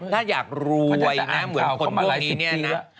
ถ้าอยากรวยนะเหมือนคนเมืองนี้เนี่ยนะ